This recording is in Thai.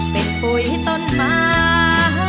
เป็นปุ่ยต้นมา